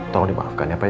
tolong dimaafkan ya pak ya